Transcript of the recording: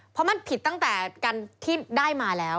เพราะมันผิดตั้งแต่การที่ได้มาแล้ว